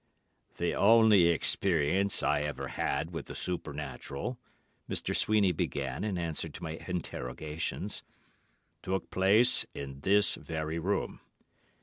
"The only experience I ever had with the Supernatural," Mr. Sweeney began, in answer to my interrogations, "took place in this very room.